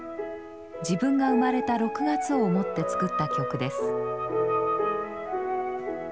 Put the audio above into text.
自分が生まれた６月を思って作った曲です。